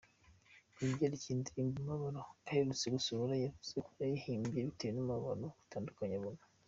Ku byerekeye indirimbo “Umubabaro” aherutse gusohora yavuze ko yayihimbye abitewe n’akababaro gatandukanye abona.